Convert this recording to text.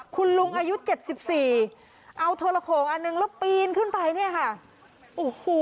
คุณลุงอายุ๗๔เอาโทรโขงอันหนึ่งแล้วปีนขึ้นไปนี่ค่ะ